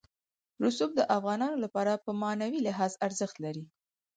رسوب د افغانانو لپاره په معنوي لحاظ ارزښت لري.